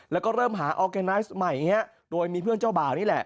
แล้วก็เริ่มหาออร์แกไนซ์ใหม่อย่างนี้โดยมีเพื่อนเจ้าบ่าวนี่แหละ